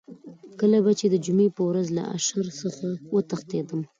کله به چې د جمعې په ورځ له اشر څخه وتښتېدم.